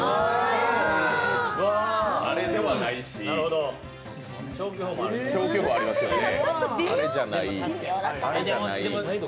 あれではないし消去法ありますよね。